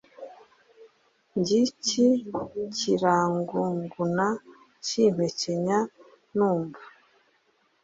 ngiki kiranguguna kimpekenya numva